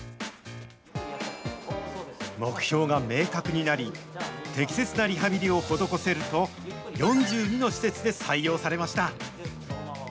目標が明確になり、適切なリハビリを施せると、４２の施設で採用されました。